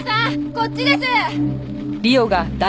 こっちです！